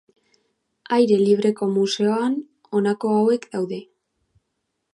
Aire libreko museoan, honako hauek daude.